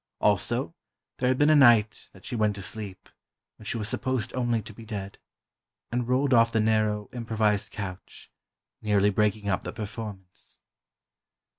Also, there had been a night that she went to sleep, when she was supposed only to be dead, and rolled off the narrow, improvised couch, nearly breaking up the performance.